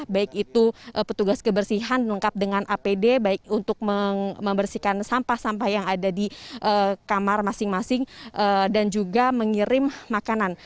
baik itu petugas kebersihan lengkap dengan apd baik untuk membersihkan sampah sampah yang ada di kamar masing masing dan juga mengirim makanan